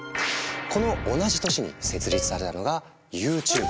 この同じ年に設立されたのがＹｏｕＴｕｂｅ。